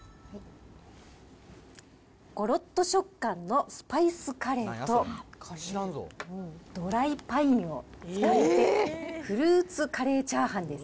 ごろっと食感のスパイスカレーと、ドライパインを使ってフルーツカレーチャーハンです。